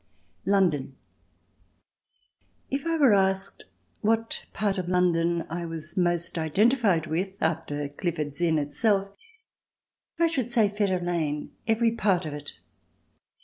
London If I were asked what part of London I was most identified with after Clifford's Inn itself, I should say Fetter Lane—every part of it.